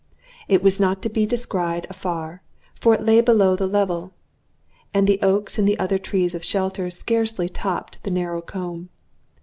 It was not to be descried afar, for it lay below the level, and the oaks and other trees of shelter scarcely topped the narrow comb.